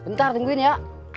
bentar tungguin ya